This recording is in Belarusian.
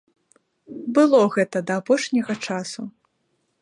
Было гэта да апошняга часу.